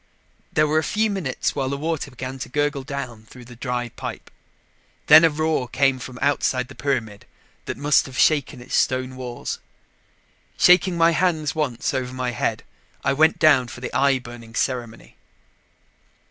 There were a few minutes while the water began to gurgle down through the dry pipe. Then a roar came from outside the pyramid that must have shaken its stone walls. Shaking my hands once over my head, I went down for the eye burning ceremony.